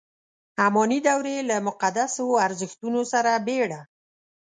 اماني دورې له مقدسو ارزښتونو سره بېړه.